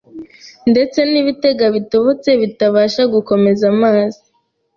ndetse ni ibitega bitobotse bitabasha gukomeza amazi